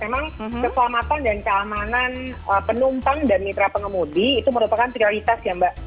memang keselamatan dan keamanan penumpang dan mitra pengemudi itu merupakan prioritas ya mbak